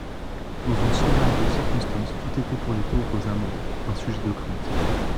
Dans une semblable circonstance tout était pour les pauvres amants un sujet de crainte.